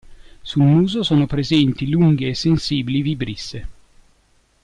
Sul muso sono presenti lunghe e sensibili vibrisse.